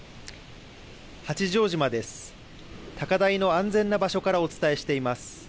高台の安全な場所からお伝えしています。